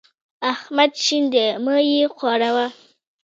احمد شين دی؛ مه يې ښوروه.